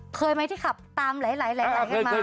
เคยไหมที่ขับตามหลายอย่างนั้น